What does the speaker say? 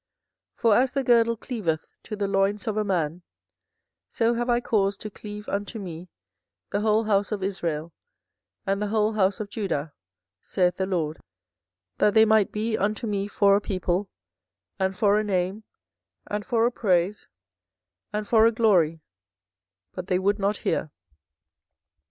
24:013:011 For as the girdle cleaveth to the loins of a man, so have I caused to cleave unto me the whole house of Israel and the whole house of Judah, saith the LORD; that they might be unto me for a people, and for a name, and for a praise, and for a glory: but they would not hear.